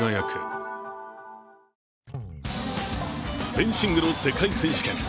フェンシングの世界選手権。